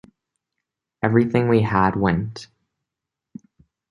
Everything we had went.